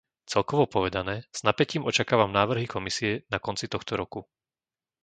Celkovo povedané, s napätím očakávam návrhy Komisie na konci tohto roku.